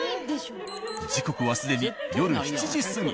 時刻は既に夜７時過ぎ。